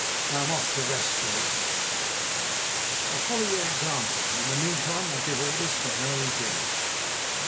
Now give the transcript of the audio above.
Now I'm off to rest for a little while." "I'll follow your example. In the meantime I'll give orders for an early dinner."